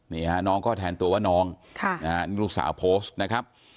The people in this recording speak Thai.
นี่ฮะน้องก็แทนตัวว่าน้องลูกสาวโพสต์นะครับ